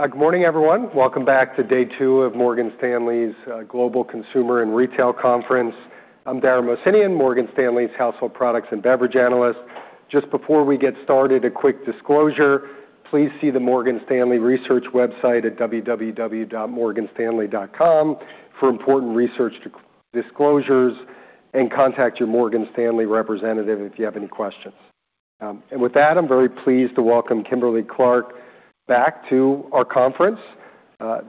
Good morning, everyone. Welcome back to day two of Morgan Stanley's Global Consumer and Retail Conference. I'm Dara Mohsenian, Morgan Stanley's household products and beverage analyst. Just before we get started, a quick disclosure: please see the Morgan Stanley Research website at www.morganstanley.com for important research disclosures and contact your Morgan Stanley representative if you have any questions. And with that, I'm very pleased to welcome Kimberly-Clark back to our conference.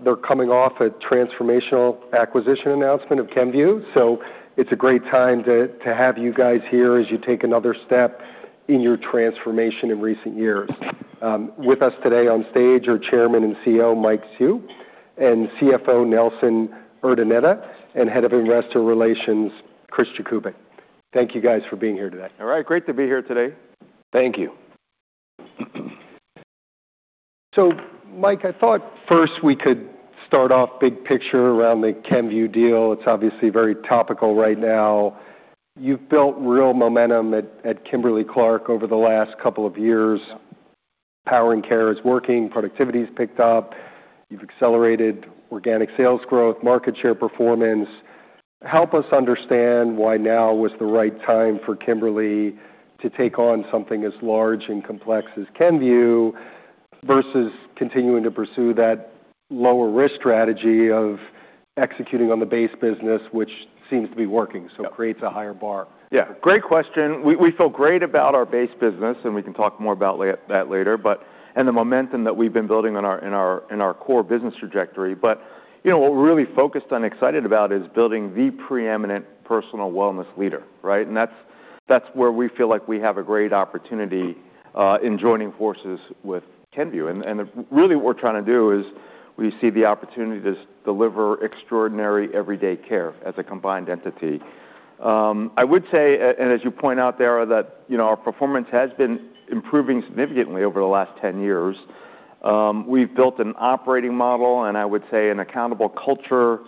They're coming off a transformational acquisition announcement of Kenvue, so it's a great time to have you guys here as you take another step in your transformation in recent years. With us today on stage are Chairman and CEO Mike Hsu, and CFO Nelson Urdaneta, and Head of Investor Relations Chris Jakubik. Thank you, guys, for being here today. All right. Great to be here today. Thank you. So, Mike, I thought first we could start off big picture around the Kenvue deal. It's obviously very topical right now. You've built real momentum at Kimberly-Clark over the last couple of years. Power and care is working. Productivity has picked up. You've accelerated organic sales growth, market share performance. Help us understand why now was the right time for Kimberly to take on something as large and complex as Kenvue versus continuing to pursue that lower-risk strategy of executing on the base business, which seems to be working, so it creates a higher bar. Yeah. Great question. We feel great about our base business, and we can talk more about that later, and the momentum that we've been building on our core business trajectory. But what we're really focused on and excited about is building the preeminent personal wellness leader, right? And that's where we feel like we have a great opportunity in joining forces with Kenvue. And really what we're trying to do is we see the opportunity to deliver extraordinary everyday care as a combined entity. I would say, and as you point out, Dara, that our performance has been improving significantly over the last 10 years. We've built an operating model and, I would say, an accountable culture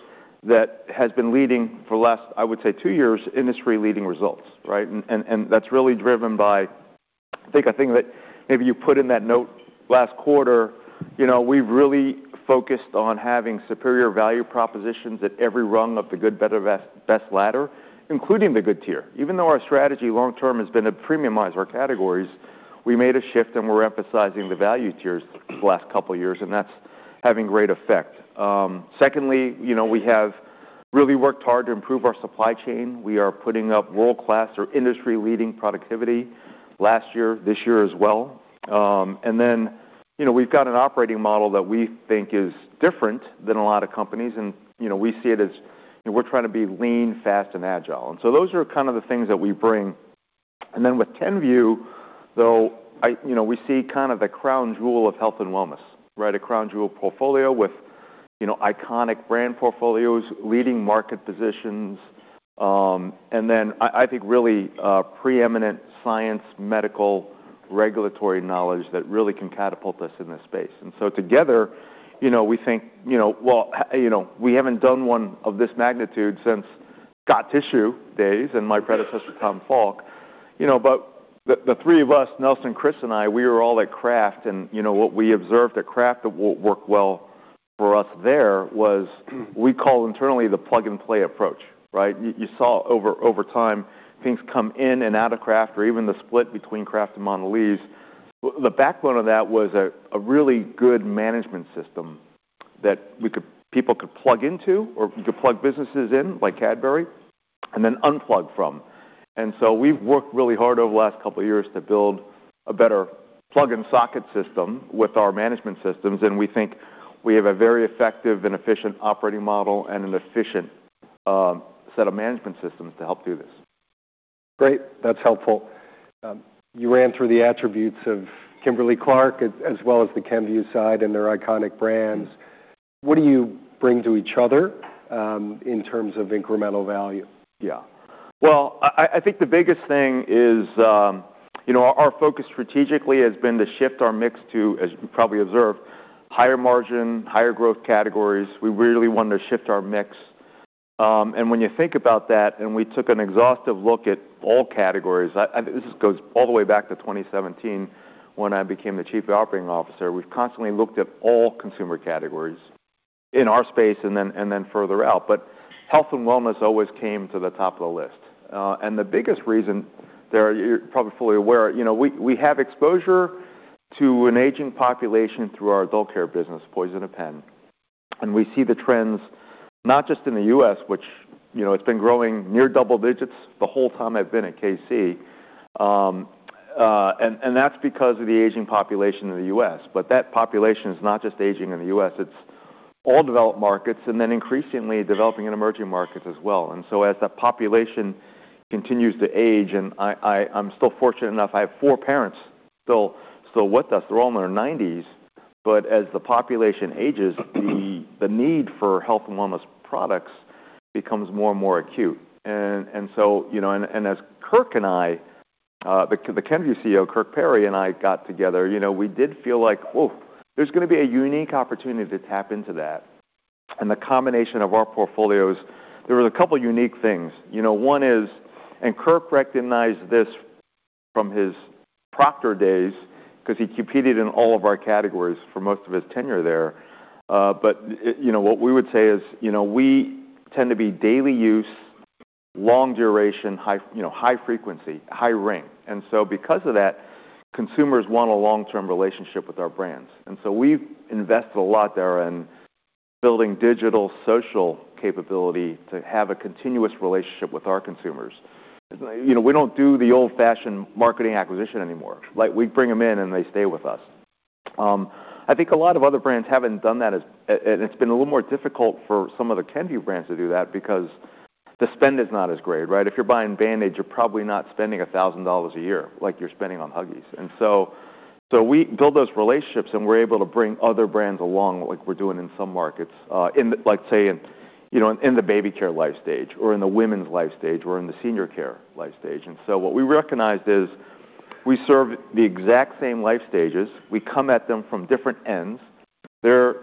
that has been leading for the last, I would say, two years, industry-leading results, right? And that's really driven by, I think, a thing that maybe you put in that note last quarter. We've really focused on having superior value propositions at every rung of the good, better, best ladder, including the good tier. Even though our strategy long-term has been to premiumize our categories, we made a shift and we're emphasizing the value tiers the last couple of years, and that's having great effect. Secondly, we have really worked hard to improve our supply chain. We are putting up world-class or industry-leading productivity last year, this year as well. And then we've got an operating model that we think is different than a lot of companies, and we see it as we're trying to be lean, fast, and agile. And so those are kind of the things that we bring. And then with Kenvue, though, we see kind of the crown jewel of health and wellness, right? A crown jewel portfolio with iconic brand portfolios, leading market positions, and then I think really preeminent science, medical, regulatory knowledge that really can catapult us in this space, and so together, we think, well, we haven't done one of this magnitude since Scott Tissue days and my predecessor, Tom Falk, but the three of us, Nelson, Chris, and I, we were all at Kraft, and what we observed at Kraft that worked well for us there was we call internally the plug-and-play approach, right? You saw over time things come in and out of Kraft or even the split between Kraft and Mondelez. The backbone of that was a really good management system that people could plug into or you could plug businesses in like Cadbury and then unplug from. We've worked really hard over the last couple of years to build a better plug-and-play system with our management systems, and we think we have a very effective and efficient operating model and an efficient set of management systems to help do this. Great. That's helpful. You ran through the attributes of Kimberly-Clark as well as the Kenvue side and their iconic brands. What do you bring to each other in terms of incremental value? Yeah. Well, I think the biggest thing is our focus strategically has been to shift our mix to, as you probably observed, higher margin, higher growth categories. We really wanted to shift our mix. When you think about that, we took an exhaustive look at all categories. This goes all the way back to 2017 when I became the Chief Operating Officer. We've constantly looked at all consumer categories in our space and then further out. Health and wellness always came to the top of the list. The biggest reason, Dara, you're probably fully aware, we have exposure to an aging population through our adult care business, Poise and Depend. We see the trends not just in the U.S., which it's been growing near double digits the whole time I've been at KC. That's because of the aging population in the U.S. But that population is not just aging in the U.S. It's all developed markets and then increasingly developing and emerging markets as well. And so as that population continues to age, and I'm still fortunate enough, I have four parents still with us. They're all in their 90s. But as the population ages, the need for health and wellness products becomes more and more acute. And so as Kirk and I, the Kenvue CEO, Kirk Perry, and I got together, we did feel like, "Oh, there's going to be a unique opportunity to tap into that." And the combination of our portfolios, there were a couple of unique things. One is, and Kirk recognized this from his Procter days because he competed in all of our categories for most of his tenure there. But what we would say is we tend to be daily use, long duration, high frequency, high ring. And so because of that, consumers want a long-term relationship with our brands. And so we've invested a lot, Dara, in building digital social capability to have a continuous relationship with our consumers. We don't do the old-fashioned marketing acquisition anymore. We bring them in and they stay with us. I think a lot of other brands haven't done that, and it's been a little more difficult for some of the Kenvue brands to do that because the spend is not as great, right? If you're buying Band-Aids, you're probably not spending $1,000 a year like you're spending on Huggies. And so we build those relationships and we're able to bring other brands along like we're doing in some markets, let's say in the baby care life stage or in the women's life stage or in the senior care life stage. And so what we recognized is we serve the exact same life stages. We come at them from different ends. They're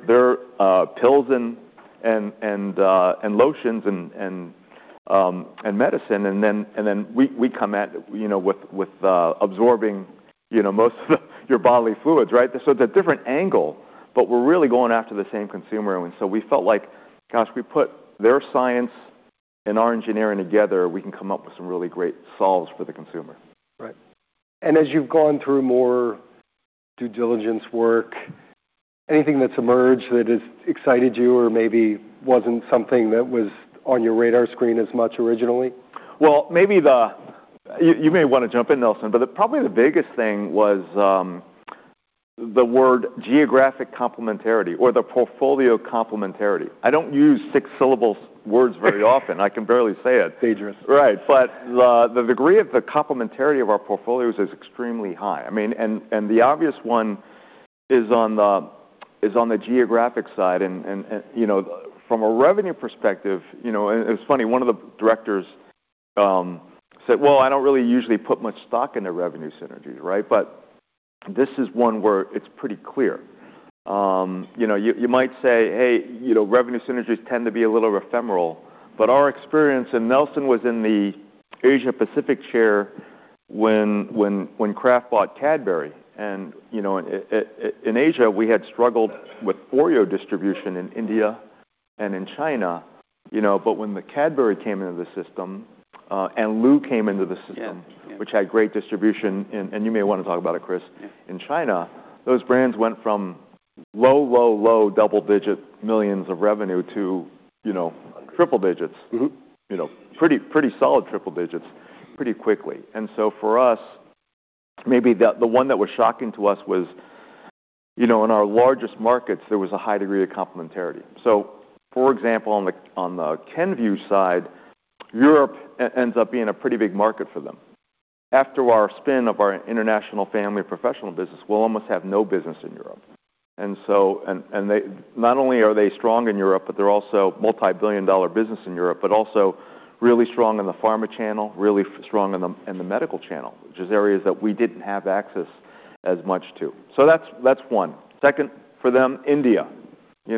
pills and lotions and medicine, and then we come at it with absorbing most of your bodily fluids, right? So it's a different angle, but we're really going after the same consumer. And so we felt like, "Gosh, if we put their science and our engineering together, we can come up with some really great solves for the consumer. Right. And as you've gone through more due diligence work, anything that's emerged that has excited you or maybe wasn't something that was on your radar screen as much originally? Maybe you may want to jump in, Nelson, but probably the biggest thing was the word geographic complementarity or the portfolio complementarity. I don't use six-syllable words very often. I can barely say it. Dangerous. Right. But the degree of the complementarity of our portfolios is extremely high. I mean, and the obvious one is on the geographic side. And from a revenue perspective, it was funny. One of the directors said, "Well, I don't really usually put much stock in the revenue synergies," right? But this is one where it's pretty clear. You might say, "Hey, revenue synergies tend to be a little ephemeral." But our experience, and Nelson was in the Asia-Pacific chair when Kraft bought Cadbury. And in Asia, we had struggled with Oreo distribution in India and in China. But when the Cadbury came into the system and Lou came into the system, which had great distribution, and you may want to talk about it, Chris, in China, those brands went from low, low, low double-digit millions of revenue to triple digits, pretty solid triple digits pretty quickly. And so for us, maybe the one that was shocking to us was in our largest markets, there was a high degree of complementarity. So, for example, on the Kenvue side, Europe ends up being a pretty big market for them. After our spin of our international family professional business, we'll almost have no business in Europe. And not only are they strong in Europe, but they're also multi-billion dollar business in Europe, but also really strong in the pharma channel, really strong in the medical channel, which is areas that we didn't have access as much to. So that's one. Second, for them, India. We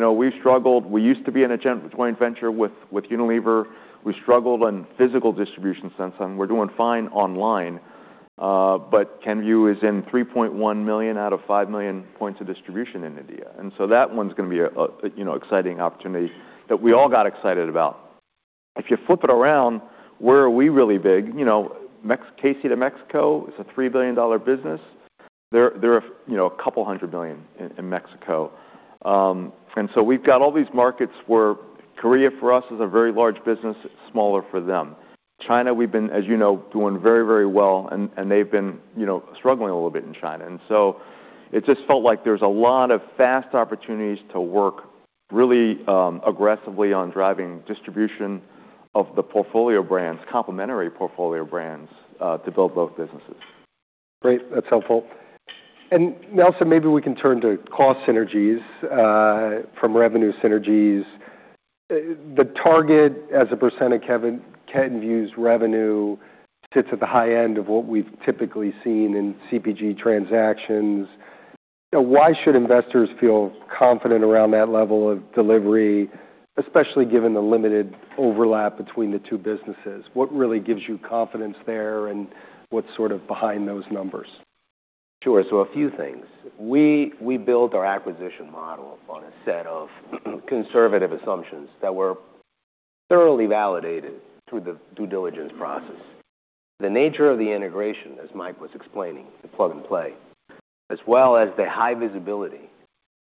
used to be in a joint venture with Unilever. We struggled on physical distribution since then. We're doing fine online, but Kenvue is in 3.1 million out of 5 million points of distribution in India. That one's going to be an exciting opportunity that we all got excited about. If you flip it around, where are we really big? KC in Mexico is a $3 billion business. There are a couple hundred million in Mexico. We've got all these markets where Korea for us is a very large business, smaller for them. China, we've been, as you know, doing very, very well, and they've been struggling a little bit in China. It just felt like there's a lot of vast opportunities to work really aggressively on driving distribution of the portfolio brands, complementary portfolio brands to build both businesses. Great. That's helpful. And Nelson, maybe we can turn to cost synergies from revenue synergies. The target as a percent of Kenvue's revenue sits at the high end of what we've typically seen in CPG transactions. Why should investors feel confident around that level of delivery, especially given the limited overlap between the two businesses? What really gives you confidence there and what's sort of behind those numbers? Sure. So a few things. We built our acquisition model on a set of conservative assumptions that were thoroughly validated through the due diligence process. The nature of the integration, as Mike was explaining, the plug-and-play, as well as the high visibility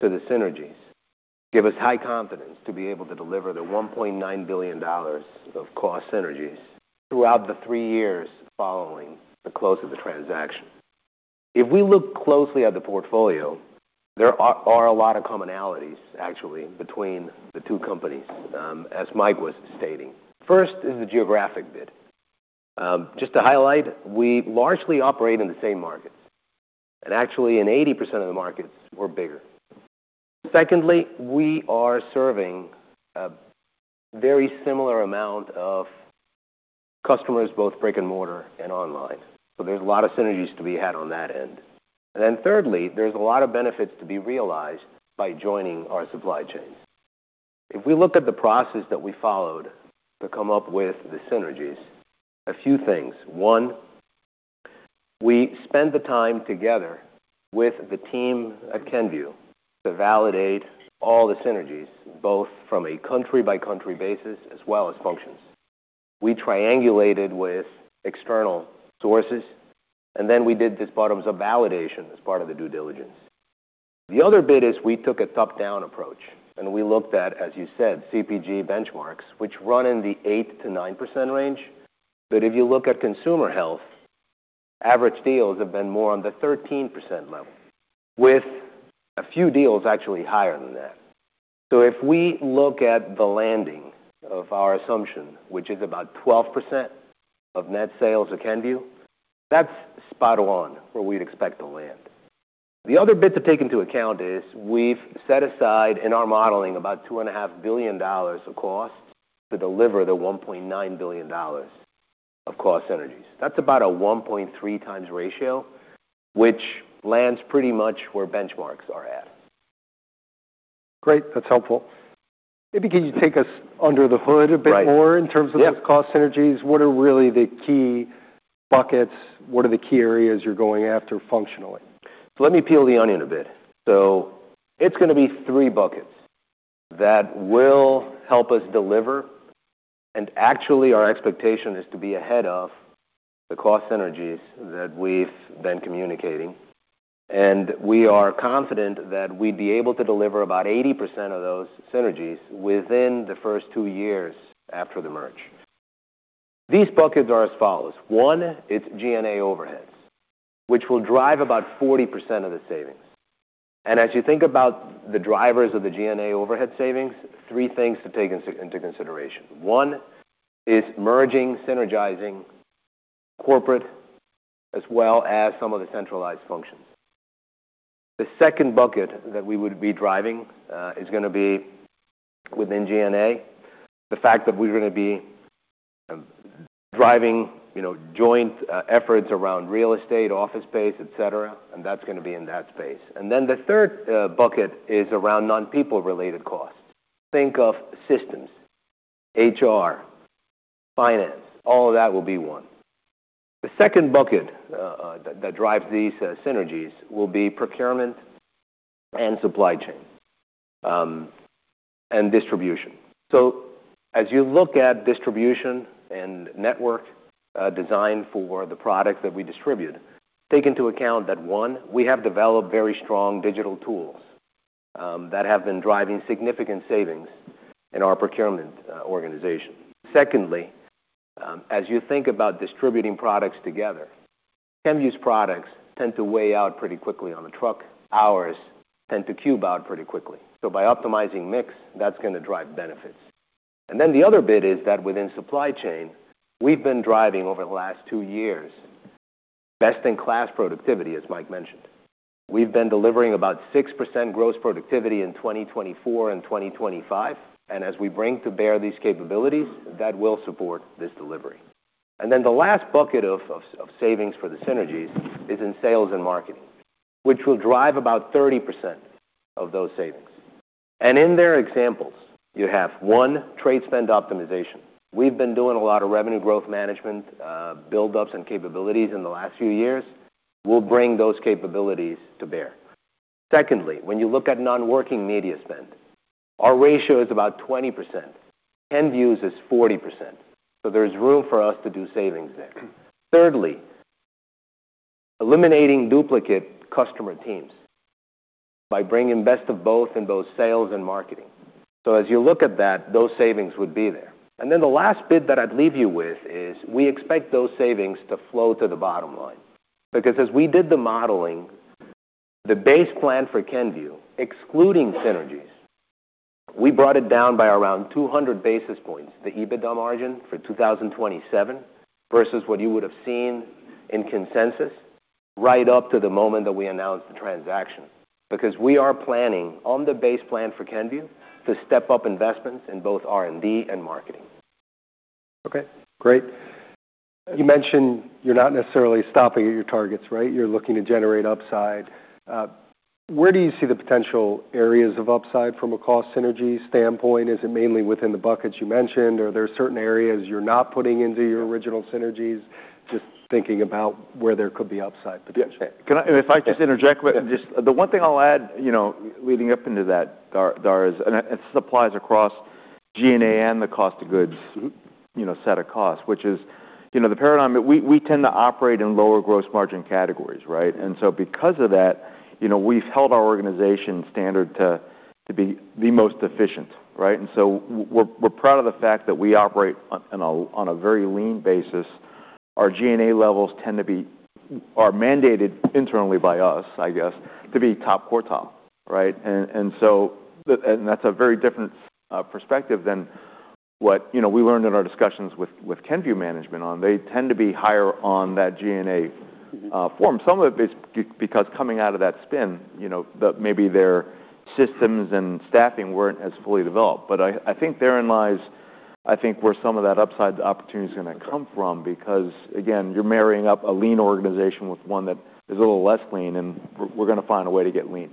to the synergies, give us high confidence to be able to deliver the $1.9 billion of cost synergies throughout the three years following the close of the transaction. If we look closely at the portfolio, there are a lot of commonalities, actually, between the two companies, as Mike was stating. First is the geographic bit. Just to highlight, we largely operate in the same markets. And actually, in 80% of the markets, we're bigger. Secondly, we are serving a very similar amount of customers, both brick and mortar and online. So there's a lot of synergies to be had on that end. And then thirdly, there's a lot of benefits to be realized by joining our supply chains. If we look at the process that we followed to come up with the synergies, a few things. One, we spend the time together with the team at Kenvue to validate all the synergies, both from a country-by-country basis as well as functions. We triangulated with external sources, and then we did this bottoms-up validation as part of the due diligence. The other bit is we took a top-down approach, and we looked at, as you said, CPG benchmarks, which run in the 8%-9% range. But if you look at consumer health, average deals have been more on the 13% level with a few deals actually higher than that. If we look at the landing of our assumption, which is about 12% of net sales at Kenvue, that's spot-on where we'd expect to land. The other bit to take into account is we've set aside in our modeling about $2.5 billion of costs to deliver the $1.9 billion of cost synergies. That's about a 1.3 times ratio, which lands pretty much where benchmarks are at. Great. That's helpful. Maybe can you take us under the hood a bit more in terms of those cost synergies? What are really the key buckets? What are the key areas you're going after functionally? So let me peel the onion a bit. So it's going to be three buckets that will help us deliver. And actually, our expectation is to be ahead of the cost synergies that we've been communicating. And we are confident that we'd be able to deliver about 80% of those synergies within the first two years after the merge. These buckets are as follows. One, it's G&A overheads, which will drive about 40% of the savings. And as you think about the drivers of the G&A overhead savings, three things to take into consideration. One is merging, synergizing corporate as well as some of the centralized functions. The second bucket that we would be driving is going to be within G&A, the fact that we're going to be driving joint efforts around real Estate, office space, etc., and that's going to be in that space. The third bucket is around non-people-related costs. Think of systems, HR, finance. All of that will be one. The second bucket that drives these synergies will be procurement and supply chain and distribution. As you look at distribution and network design for the product that we distribute, take into account that, one, we have developed very strong digital tools that have been driving significant savings in our procurement organization. Secondly, as you think about distributing products together, Kenvue's products tend to weigh out pretty quickly on a truck. Ours tend to cube out pretty quickly. By optimizing mix, that's going to drive benefits. The other bit is that within supply chain, we've been driving over the last two years best-in-class productivity, as Mike mentioned. We've been delivering about 6% gross productivity in 2024 and 2025. And as we bring to bear these capabilities, that will support this delivery. And then the last bucket of savings for the synergies is in sales and marketing, which will drive about 30% of those savings. And in their examples, you have one, trade spend optimization. We've been doing a lot of revenue growth management buildups and capabilities in the last few years. We'll bring those capabilities to bear. Secondly, when you look at non-working media spend, our ratio is about 20%. Kenvue's is 40%. So there's room for us to do savings there. Thirdly, eliminating duplicate customer teams by bringing best of both in both sales and marketing. So as you look at that, those savings would be there. And then the last bit that I'd leave you with is we expect those savings to flow to the bottom line. Because as we did the modeling, the base plan for Kenvue, excluding synergies, we brought it down by around 200 basis points, the EBITDA margin for 2027, versus what you would have seen in consensus right up to the moment that we announced the transaction. Because we are planning on the base plan for Kenvue to step up investments in both R&D and marketing. Okay. Great. You mentioned you're not necessarily stopping at your targets, right? You're looking to generate upside. Where do you see the potential areas of upside from a cost synergy standpoint? Is it mainly within the buckets you mentioned, or are there certain areas you're not putting into your original synergies? Just thinking about where there could be upside potential. Yeah. Can I just interject with just the one thing I'll add leading up into that, Dara, it applies across G&A and the cost of goods set of costs, which is the paradigm that we tend to operate in lower gross margin categories, right? And so because of that, we've held our organization standard to be the most efficient, right? And so we're proud of the fact that we operate on a very lean basis. Our G&A levels tend to be mandated internally by us, I guess, to be top quartile, right? And that's a very different perspective than what we learned in our discussions with Kenvue management on. They tend to be higher on that G&A norm. Some of it is because coming out of that spin, maybe their systems and staffing weren't as fully developed. But I think therein lies, I think, where some of that upside opportunity is going to come from because, again, you're marrying up a lean organization with one that is a little less lean, and we're going to find a way to get lean.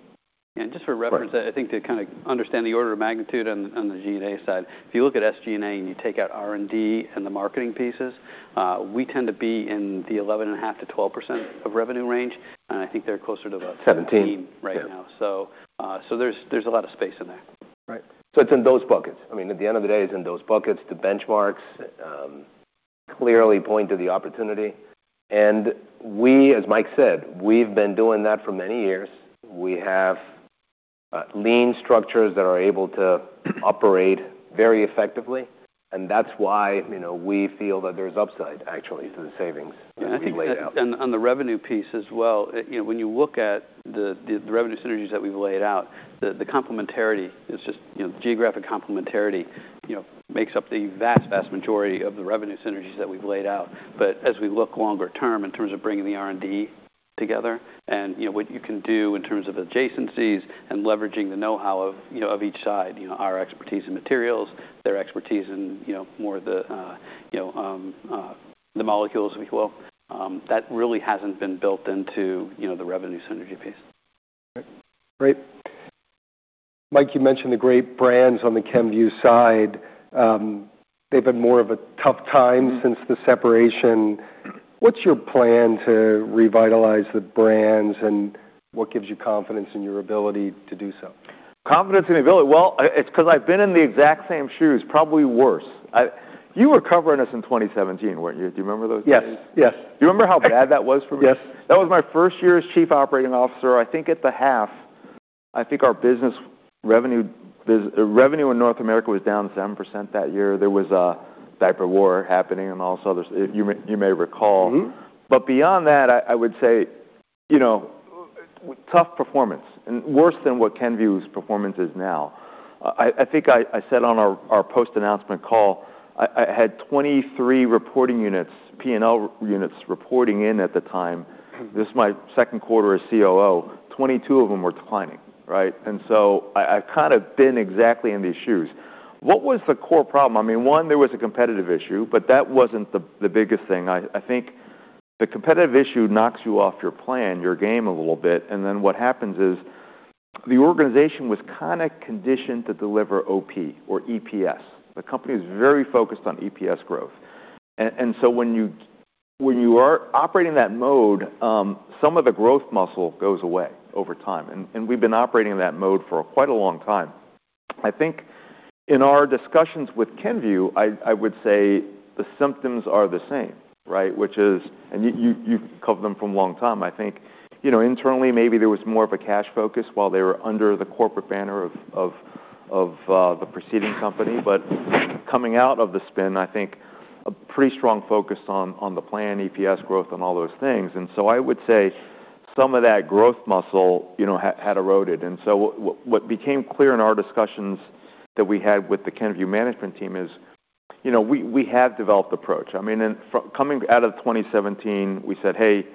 Yeah, and just for reference, I think to kind of understand the order of magnitude on the G&A side, if you look at SG&A and you take out R&D and the marketing pieces, we tend to be in the 11.5%-12% of revenue range, and I think they're closer to about 17% right now, so there's a lot of space in there. Right. It's in those buckets. I mean, at the end of the day, it's in those buckets. The benchmarks clearly point to the opportunity. We, as Mike said, we've been doing that for many years. We have lean structures that are able to operate very effectively. That's why we feel that there's upside, actually, to the savings that we've laid out. On the revenue piece as well, when you look at the revenue synergies that we've laid out, the complementarity, it's just geographic complementarity makes up the vast, vast majority of the revenue synergies that we've laid out. But as we look longer term in terms of bringing the R&D together and what you can do in terms of adjacencies and leveraging the know-how of each side, our expertise in materials, their expertise in more of the molecules, if you will, that really hasn't been built into the revenue synergy piece. Great. Mike, you mentioned the great brands on the Kenvue side. They've been more of a tough time since the separation. What's your plan to revitalize the brands, and what gives you confidence in your ability to do so? Confidence in the ability? Well, it's because I've been in the exact same shoes, probably worse. You were covering us in 2017, weren't you? Do you remember those days? Yes. Yes. Do you remember how bad that was for me? Yes. That was my first year as Chief Operating Officer. I think at the half, I think our business revenue in North America was down 7% that year. There was a diaper war happening and also others, you may recall. But beyond that, I would say tough performance and worse than what Kenvue's performance is now. I think I said on our post-announcement call, I had 23 reporting units, P&L units reporting in at the time. This is my second quarter as COO. 22 of them were declining, right? And so I've kind of been exactly in these shoes. What was the core problem? I mean, one, there was a competitive issue, but that wasn't the biggest thing. I think the competitive issue knocks you off your plan, your game a little bit. And then what happens is the organization was kind of conditioned to deliver OP or EPS. The company was very focused on EPS growth. And so when you are operating that mode, some of the growth muscle goes away over time. And we've been operating in that mode for quite a long time. I think in our discussions with Kenvue, I would say the symptoms are the same, right? Which is, and you've covered them for a long time, I think. Internally, maybe there was more of a cash focus while they were under the corporate banner of the preceding company. But coming out of the spin, I think a pretty strong focus on the plan, EPS growth, and all those things. And so I would say some of that growth muscle had eroded. And so what became clear in our discussions that we had with the Kenvue management team is we have developed the approach. I mean, coming out of 2017, we said, "Hey,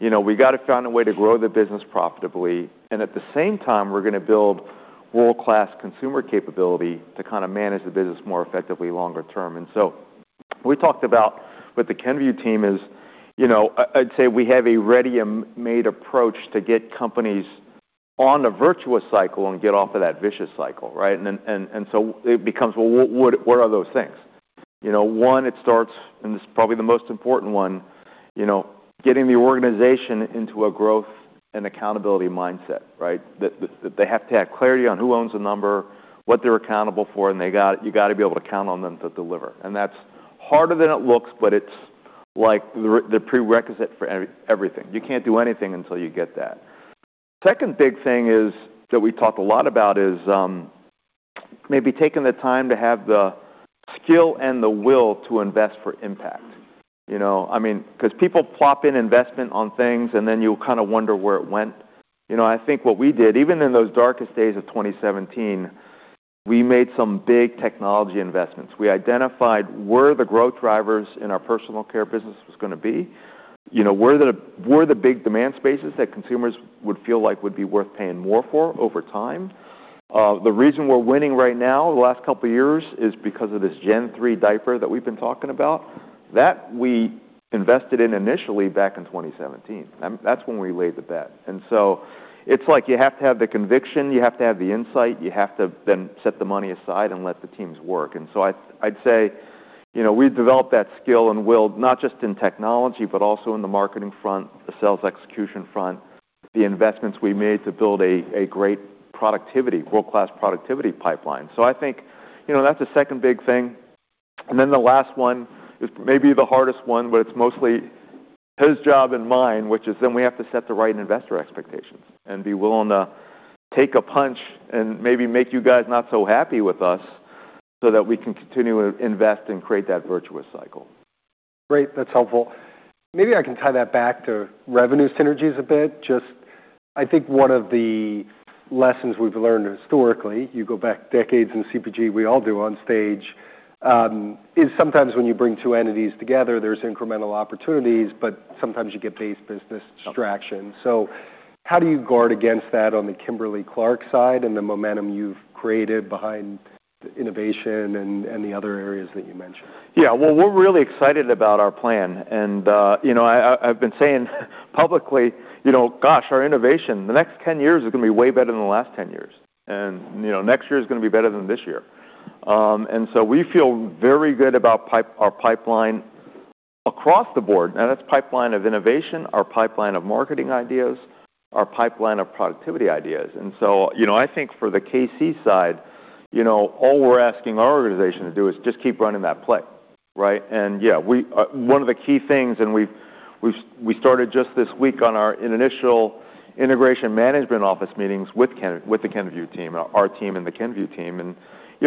we got to find a way to grow the business profitably. And at the same time, we're going to build world-class consumer capability to kind of manage the business more effectively longer term." And so what we talked about with the Kenvue team is I'd say we have a ready-made approach to get companies on a virtuous cycle and get off of that vicious cycle, right? And so it becomes, well, what are those things? One, it starts, and this is probably the most important one, getting the organization into a growth and accountability mindset, right? That they have to have clarity on who owns the number, what they're accountable for, and you got to be able to count on them to deliver. And that's harder than it looks, but it's like the prerequisite for everything. You can't do anything until you get that. Second big thing that we talked a lot about is maybe taking the time to have the skill and the will to invest for impact. I mean, because people plop in investment on things, and then you'll kind of wonder where it went. I think what we did, even in those darkest days of 2017, we made some big technology investments. We identified where the growth drivers in our personal care business were going to be, where the big demand spaces that consumers would feel like would be worth paying more for over time. The reason we're winning right now the last couple of years is because of this Gen 3 Diaper that we've been talking about that we invested in initially back in 2017. That's when we laid the bet. And so it's like you have to have the conviction, you have to have the insight, you have to then set the money aside and let the teams work. And so I'd say we've developed that skill and will not just in technology, but also in the marketing front, the sales execution front, the investments we made to build a great world-class productivity pipeline. So I think that's the second big thing. And then the last one is maybe the hardest one, but it's mostly his job and mine, which is then we have to set the right investor expectations and be willing to take a punch and maybe make you guys not so happy with us so that we can continue to invest and create that virtuous cycle. Great. That's helpful. Maybe I can tie that back to revenue synergies a bit. Just, I think one of the lessons we've learned historically, you go back decades in CPG, we all do on stage, is sometimes when you bring two entities together, there's incremental opportunities, but sometimes you get base business distraction. So how do you guard against that on the Kimberly-Clark side and the momentum you've created behind innovation and the other areas that you mentioned? Yeah. Well, we're really excited about our plan. And I've been saying publicly, gosh, our innovation, the next 10 years is going to be way better than the last 10 years. And next year is going to be better than this year. And so we feel very good about our pipeline across the board. Now, that's pipeline of innovation, our pipeline of marketing ideas, our pipeline of productivity ideas. And so I think for the KC side, all we're asking our organization to do is just keep running that play, right? And yeah, one of the key things, and we started just this week on our initial integration management office meetings with the Kenvue team, our team and the Kenvue team. And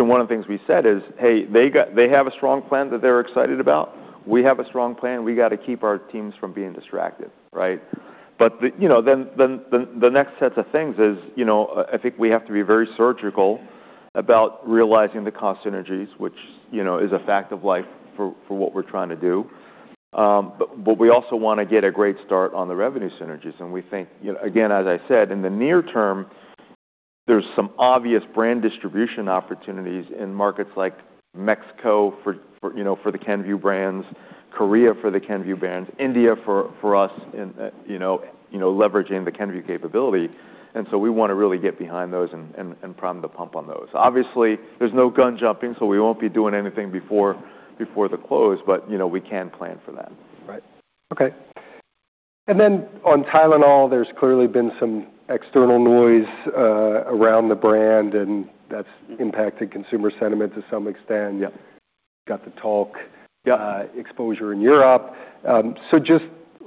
one of the things we said is, "Hey, they have a strong plan that they're excited about. We have a strong plan. We got to keep our teams from being distracted," right? But then the next sets of things is I think we have to be very surgical about realizing the cost synergies, which is a fact of life for what we're trying to do. But we also want to get a great start on the revenue synergies. And we think, again, as I said, in the near term, there's some obvious brand distribution opportunities in markets like Mexico for the Kenvue brands, Korea for the Kenvue brands, India for us in leveraging the Kenvue capability. And so we want to really get behind those and prime the pump on those. Obviously, there's no gun jumping, so we won't be doing anything before the close, but we can plan for that. Right. Okay. And then on Tylenol, there's clearly been some external noise around the brand, and that's impacted consumer sentiment to some extent. You've got the talc exposure in Europe. So just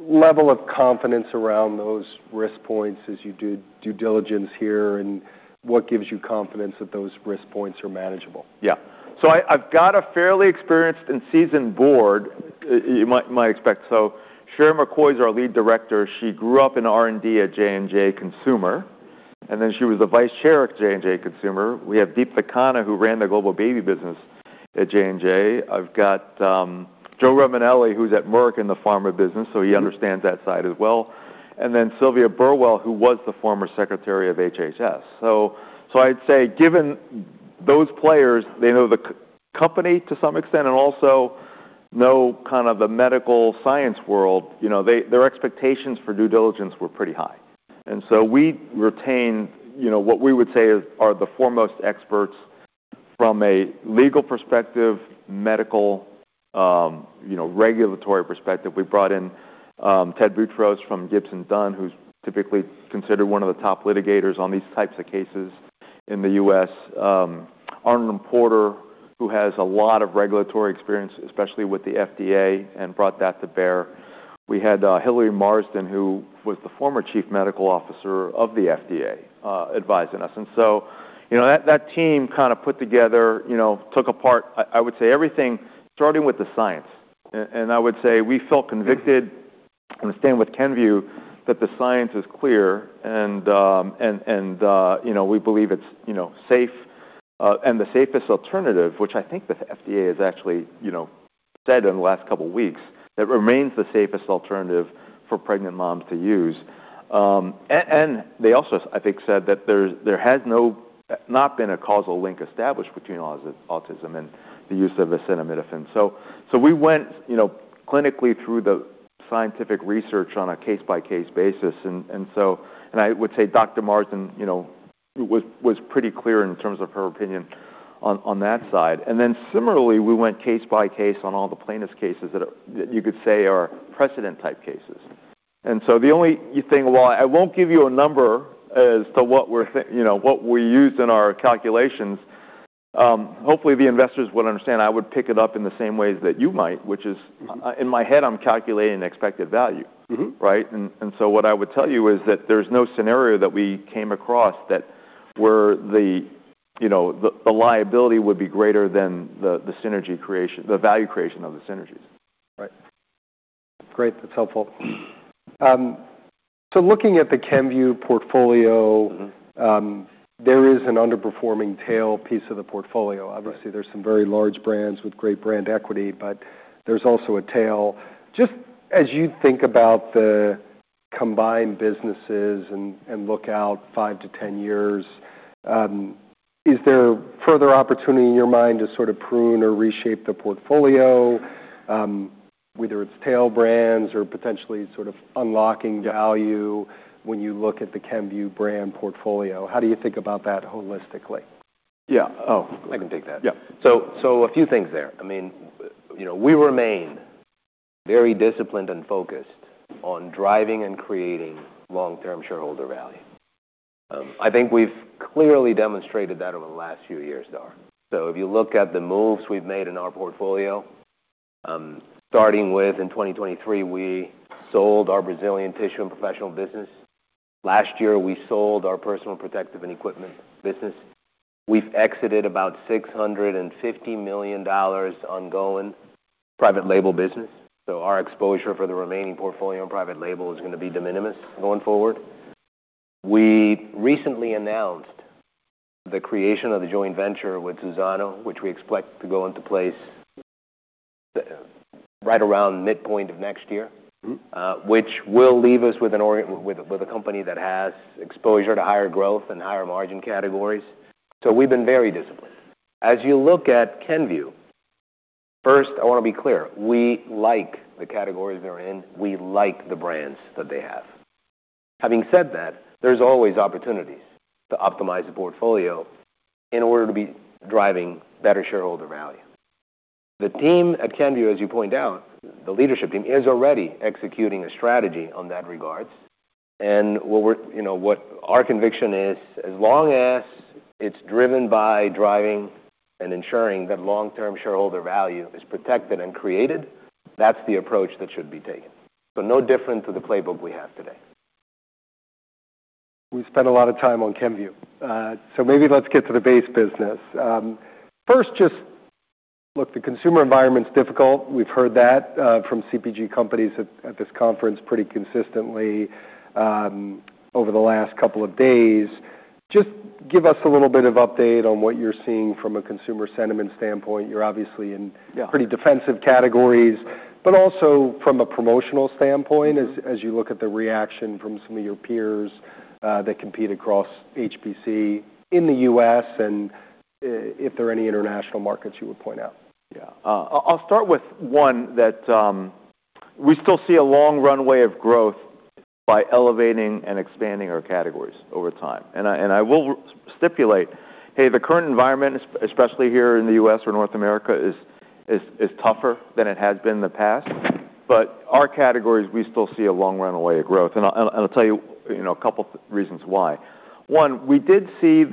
level of confidence around those risk points as you do due diligence here and what gives you confidence that those risk points are manageable? Yeah. So I've got a fairly experienced and seasoned board, you might expect. So Sheri McCoy is our lead director. She grew up in R&D at J&J Consumer, and then she was the vice chair at J&J Consumer. We have Deeptha Khanna, who ran the global baby business at J&J. I've got Joe Romanelli, who's at Merck in the pharma business, so he understands that side as well. And then Sylvia Burwell, who was the former Secretary of HHS. So I'd say given those players, they know the company to some extent and also know kind of the medical science world. Their expectations for due diligence were pretty high. And so we retained what we would say are the foremost experts from a legal perspective, medical, regulatory perspective. We brought in Ted Boutrous from Gibson Dunn, who's typically considered one of the top litigators on these types of cases in the U.S., Arnold & Porter, who has a lot of regulatory experience, especially with the FDA, and brought that to bear. We had Hilary Marston, who was the former chief medical officer of the FDA, advising us, and so that team kind of put together, took apart, I would say, everything starting with the science, and I would say we felt convicted in staying with Kenvue that the science is clear, and we believe it's safe and the safest alternative, which I think the FDA has actually said in the last couple of weeks, that remains the safest alternative for pregnant moms to use, and they also, I think, said that there has not been a causal link established between autism and the use of acetaminophen. So we went clinically through the scientific research on a case-by-case basis. And I would say Dr. Marston was pretty clear in terms of her opinion on that side. And then similarly, we went case-by-case on all the plaintiff's cases that you could say are precedent-type cases. And so the only thing, well, I won't give you a number as to what we used in our calculations. Hopefully, the investors would understand. I would pick it up in the same ways that you might, which is in my head, I'm calculating expected value, right? And so what I would tell you is that there's no scenario that we came across where the liability would be greater than the value creation of the synergies. Right. Great. That's helpful. So looking at the Kenvue portfolio, there is an underperforming tail piece of the portfolio. Obviously, there's some very large brands with great brand equity, but there's also a tail. Just as you think about the combined businesses and look out five to 10 years, is there further opportunity in your mind to sort of prune or reshape the portfolio, whether it's tail brands or potentially sort of unlocking value when you look at the Kenvue brand portfolio? How do you think about that holistically? Yeah. Oh, I can take that. Yeah. So a few things there. I mean, we remain very disciplined and focused on driving and creating long-term shareholder value. I think we've clearly demonstrated that over the last few years, Dara. So if you look at the moves we've made in our portfolio, starting with in 2023, we sold our Brazilian tissue and professional business. Last year, we sold our personal protective equipment business. We've exited about $650 million ongoing private label business. So our exposure for the remaining portfolio and private label is going to be de minimis going forward. We recently announced the creation of the joint venture with Suzano, which we expect to go into place right around midpoint of next year, which will leave us with a company that has exposure to higher growth and higher margin categories. So we've been very disciplined. As you look at Kenvue, first, I want to be clear. We like the categories they're in. We like the brands that they have. Having said that, there's always opportunities to optimize the portfolio in order to be driving better shareholder value. The team at Kenvue, as you point out, the leadership team is already executing a strategy in that regard, and what our conviction is, as long as it's driven by driving and ensuring that long-term shareholder value is protected and created, that's the approach that should be taken, so no different to the playbook we have today. We spent a lot of time on Kenvue. So maybe let's get to the base business. First, just look, the consumer environment's difficult. We've heard that from CPG companies at this conference pretty consistently over the last couple of days. Just give us a little bit of update on what you're seeing from a consumer sentiment standpoint. You're obviously in pretty defensive categories, but also from a promotional standpoint as you look at the reaction from some of your peers that compete across HPC in the U.S. and if there are any international markets you would point out. Yeah. I'll start with one that we still see a long runway of growth by elevating and expanding our categories over time. And I will stipulate, hey, the current environment, especially here in the U.S. or North America, is tougher than it has been in the past. But our categories, we still see a long runway of growth. And I'll tell you a couple of reasons why. One, we did see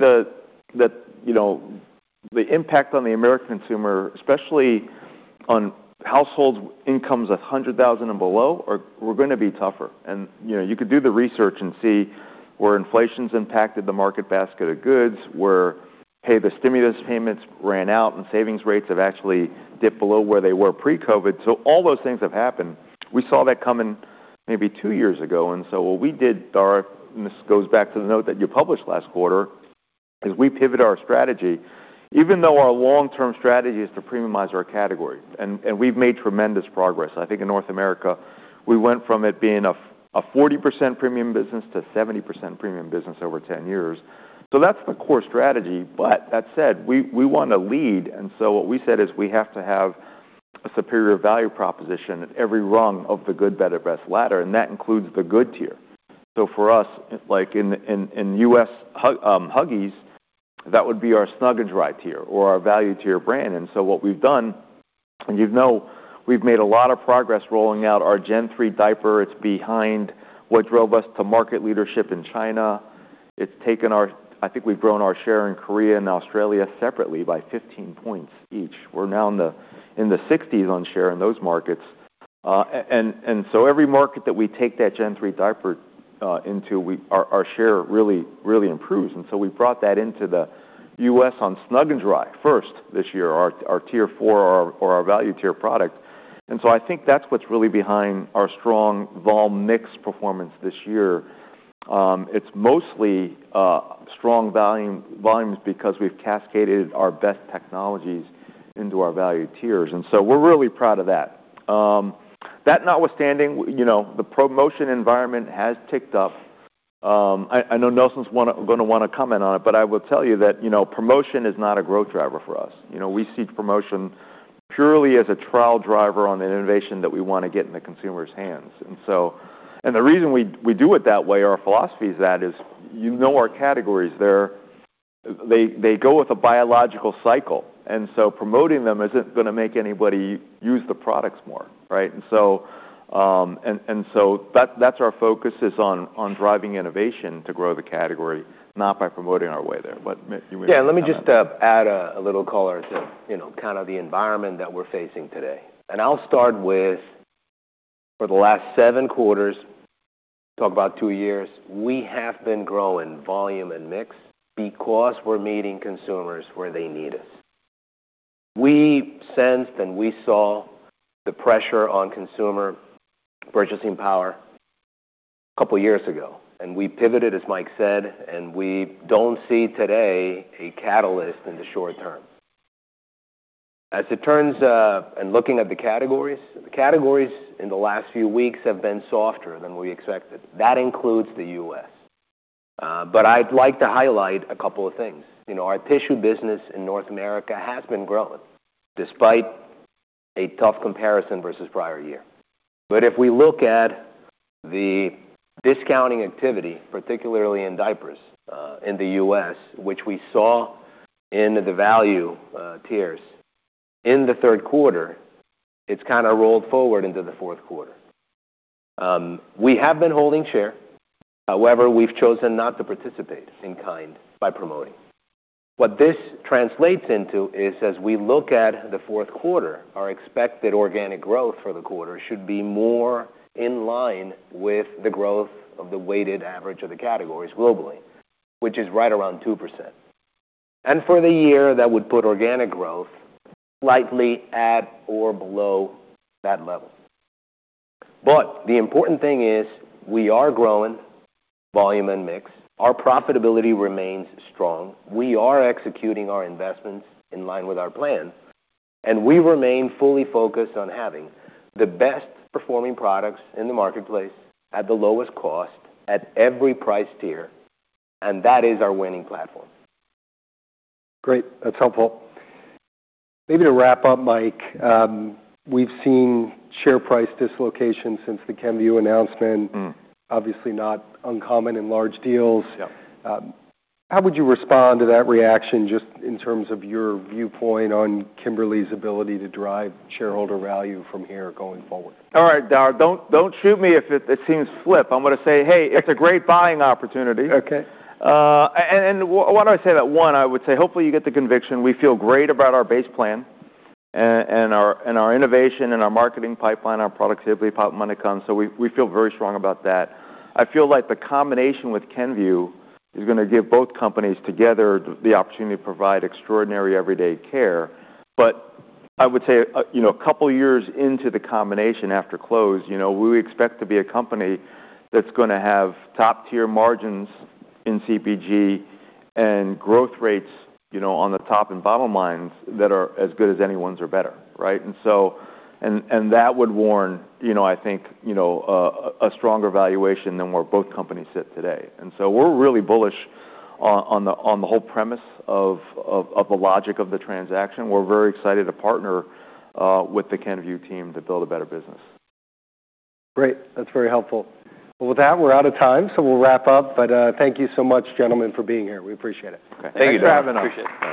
the impact on the American consumer, especially on households' incomes of 100,000 and below, are going to be tougher. And you could do the research and see where inflation's impacted the market basket of goods, where, hey, the stimulus payments ran out and savings rates have actually dipped below where they were pre-COVID. So all those things have happened. We saw that come in maybe two years ago. What we did, Dara, and this goes back to the note that you published last quarter, is we pivoted our strategy, even though our long-term strategy is to premiumize our category. We've made tremendous progress. I think in North America, we went from it being a 40% premium business to 70% premium business over 10 years. That's the core strategy. But that said, we want to lead. What we said is we have to have a superior value proposition at every rung of the good, better, best ladder. That includes the good tier. For us, like in U.S. Huggies, that would be our Snug & Dry tier or our value tier brand. What we've done, and you know we've made a lot of progress rolling out our Gen 3 Diaper. It's behind what drove us to market leadership in China. It's taken our, I think we've grown our share in Korea and Australia separately by 15 points each. We're now in the 60s on share in those markets. And so every market that we take that Gen 3 Diaper into, our share really, really improves. And so we brought that into the U.S. on snug and dry first this year, our tier four or our value tier product. And so I think that's what's really behind our strong vol-mix performance this year. It's mostly strong volumes because we've cascaded our best technologies into our value tiers. And so we're really proud of that. That not with standing, the promotion environment has ticked up. I know Nelson's going to want to comment on it, but I will tell you that promotion is not a growth driver for us. We see promotion purely as a trial driver on the innovation that we want to get in the consumer's hands. And the reason we do it that way, our philosophy is that is you know our categories there. They go with a biological cycle. And so promoting them isn't going to make anybody use the products more, right? And so that's our focus is on driving innovation to grow the category, not by promoting our way there. But you may. Yeah. Let me just add a little color to kind of the environment that we're facing today. And I'll start with for the last seven quarters, talk about two years, we have been growing volume and mix because we're meeting consumers where they need us. We sensed and we saw the pressure on consumer purchasing power a couple of years ago. And we pivoted, as Mike said, and we don't see today a catalyst in the short term. As it turns and looking at the categories, the categories in the last few weeks have been softer than we expected. That includes the U.S. But I'd like to highlight a couple of things. Our tissue business in North America has been growing despite a tough comparison versus prior year. But if we look at the discounting activity, particularly in diapers in the U.S., which we saw in the value tiers in the third quarter, it's kind of rolled forward into the fourth quarter. We have been holding share. However, we've chosen not to participate in kind by promoting. What this translates into is as we look at the fourth quarter, our expected organic growth for the quarter should be more in line with the growth of the weighted average of the categories globally, which is right around 2%, and for the year, that would put organic growth slightly at or below that level, but the important thing is we are growing volume and mix. Our profitability remains strong. We are executing our investments in line with our plan, and we remain fully focused on having the best performing products in the marketplace at the lowest cost at every price tier, and that is our winning platform. Great. That's helpful. Maybe to wrap up, Mike, we've seen share price dislocation since the Kenvue announcement, obviously not uncommon in large deals. How would you respond to that reaction just in terms of your viewpoint on Kimberly's ability to drive shareholder value from here going forward? All right, Dara. Don't shoot me if it seems flip. I'm going to say, hey, it's a great buying opportunity. Okay. And why do I say that? One, I would say hopefully you get the conviction. We feel great about our base plan and our innovation and our marketing pipeline, our productivity pipeline when it comes. So we feel very strong about that. I feel like the combination with Kenvue is going to give both companies together the opportunity to provide extraordinary everyday care. But I would say a couple of years into the combination after close, we expect to be a company that's going to have top-tier margins in CPG and growth rates on the top and bottom lines that are as good as anyone's or better, right? And that would warrant, I think, a stronger valuation than where both companies sit today. And so we're really bullish on the whole premise of the logic of the transaction. We're very excited to partner with the Kenvue team to build a better business. Great. That's very helpful. Well, with that, we're out of time. So we'll wrap up. But thank you so much, gentlemen, for being here. We appreciate it. Okay. Thank you, Dara. Thanks for having us. Appreciate it.